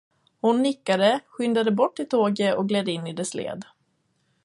Hon nickade, skyndade bort till tåget och gled in i dess led.